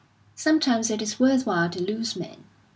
Sometimes it is worth while to lose men.